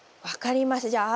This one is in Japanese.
分かりました。